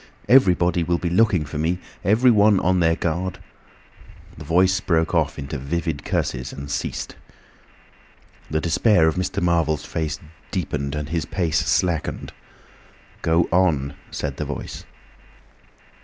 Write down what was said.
Everybody will be looking for me; everyone on their guard—" The Voice broke off into vivid curses and ceased. The despair of Mr. Marvel's face deepened, and his pace slackened. "Go on!" said the Voice.